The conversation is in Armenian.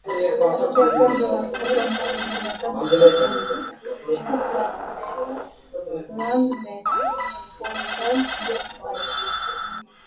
Ավստրիական ժողովրդական պարի հիմնական տեսակներն են՝ շկուպլատլերը, լանդլերը, պոլկան և վալսը։